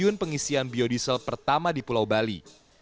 stasiun pengisian biodiesel pertama di pulau bali